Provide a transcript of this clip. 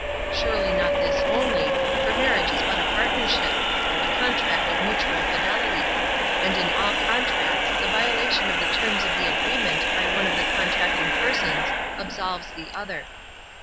Surely not this only, for marriage is but a partnership a contract of mutual fidelity and in all contracts the violation of the terms of the agreement by one of the contracting persons absolves the other.